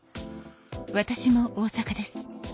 私も大阪です。